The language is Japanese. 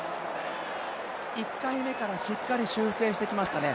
１回目からしっかり修正してきましたね。